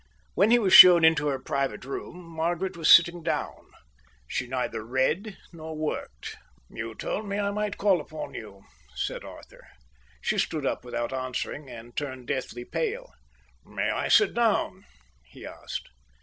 When he was shown into her private room Margaret was sitting down. She neither read nor worked. "You told me I might call upon you," said Arthur. She stood up without answering, and turned deathly pale. "May I sit down?" he asked.